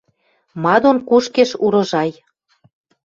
Ма дон кушкеш урожай